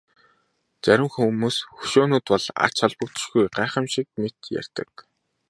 Зарим хүмүүс хөшөөнүүд бол ач холбогдолгүй гайхамшиг мэт ярьдаг.